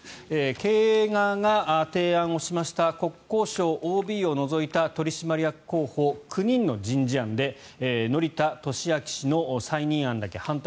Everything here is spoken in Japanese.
経営側が提案をしました国交省ＯＢを除いた取締役候補９人の人事案で乗田俊明氏の再任案だけ反対